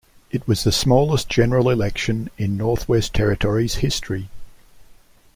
It was the smallest general election in Northwest Territories history.